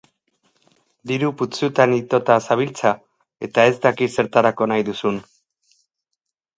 Diru putzutan itota zabiltza, eta ez dakit zertarako nahi duzun.